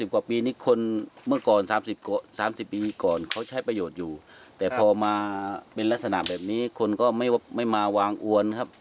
กว่าปีนี้คนเมื่อก่อน๓๐ปีก่อนเขาใช้ประโยชน์อยู่แต่พอมาเป็นลักษณะแบบนี้คนก็ไม่มาวางอวนครับ